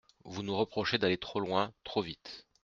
Vous nous reprochez d’aller trop loin, trop vite.